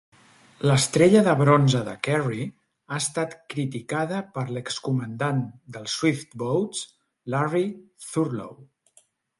L'estrella de bronze de Kerry ha estat criticada per l'ex-comandant dels Swift Boats Larry Thurlow.